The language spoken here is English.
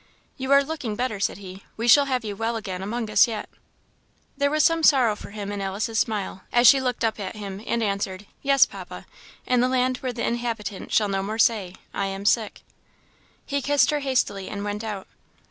"You are looking better," said he. "We shall have you well again among us yet." There was some sorrow for him in Alice's smile, as she looked up at him and answered, "Yes, Papa in the land where the inhabitant shall no more say, 'I am sick.' " He kissed her hastily, and went out.